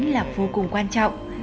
là vô cùng quan trọng